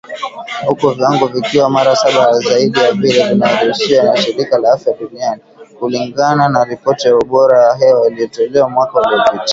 Huku viwango vikiwa mara saba zaidi ya vile vinavyoruhusiwa na Shirika la Afya Duniani , kulingana na ripoti ya ubora wa hewa iliyotolewa mwaka uliopita